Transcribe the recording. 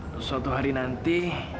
terus suatu hari nanti